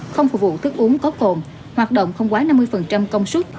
không phục vụ thức uống có cồn hoạt động không quá năm mươi công suất